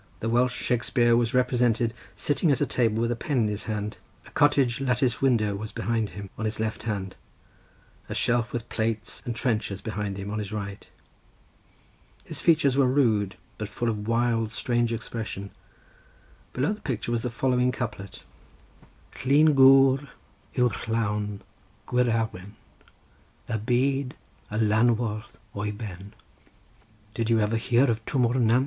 The Welsh Shakespear was represented sitting at a table with a pen in his hand; a cottage latticed window was behind him, on his left hand; a shelf with plates and trenchers behind him, on his right. His features were rude, but full of wild, strange expression; below the picture was the following couplet:— "Llun Gwr yw llawn gwir Awen; Y Byd a lanwodd o'i Ben." "Did you ever hear of Twm o'r Nant?"